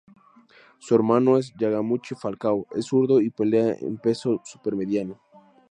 Su hermano es Yamaguchi Falcão, es zurdo y pelea en peso súper mediano.